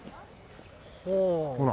ほら。